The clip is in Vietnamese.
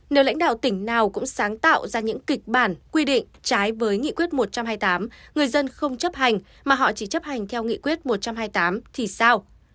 nếu lãnh đạo tỉnh nào cũng sáng tạo ra những kịch bản quy định trái với nghị quyết một trăm hai mươi tám người dân không chấp hành mà họ chỉ chấp hành theo nghị quyết một trăm hai mươi tám thì sao